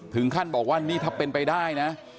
ถึงขั้นบอกว่านี่ถ้าเป็นไปได้นะ